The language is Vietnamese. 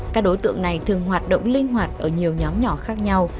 các đối tượng này thường hoạt động linh hoạt ở nhiều nhóm nhỏ khác nhau